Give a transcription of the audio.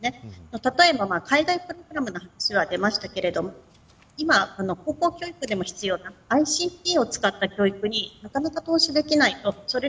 例えば、海外プログラムの話が出ましたが今、高校教育でも必要なＩＣＴを使った教育でなかなか投資できない。